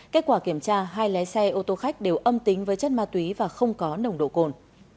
kết quả kiểm tra hai lái xe ô tô khách đều âm tính với chất ma túy và không có nồng độ cồn